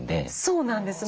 そうなんですね。